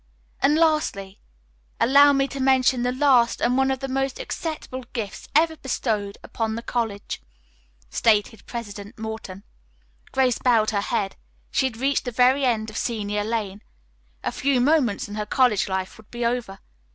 "And lastly allow me to mention the latest and one of the most acceptable gifts ever bestowed upon the college," stated President Morton. Grace bowed her head. She had reached the very end of Senior Lane. A few moments and her college life would be over.